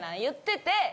言ってて。